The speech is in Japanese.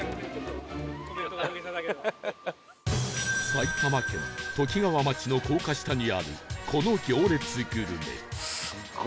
埼玉県ときがわ町の高架下にあるこの行列グルメ